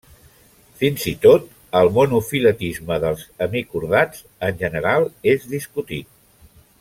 Fins i tot el monofiletisme dels hemicordats en general és discutit.